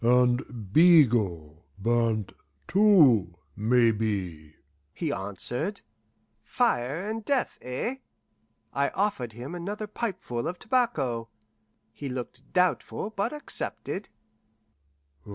"And Bigot burnt, too, maybe," he answered. "Fire and death eh?" I offered him another pipeful of tobacco. He looked doubtful, but accepted.